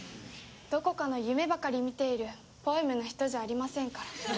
どこかの夢ばかり見ているポエムな人じゃありませんから。